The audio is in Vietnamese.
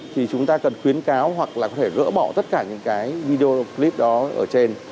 thì chúng ta cần khuyến cáo hoặc là có thể gỡ bỏ tất cả những cái video clip đó ở trên